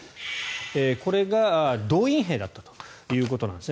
これが動員兵だったということなんですね。